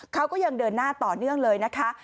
เขาก็ยังเดินหน้าต่อเนื่องเลยนะคะ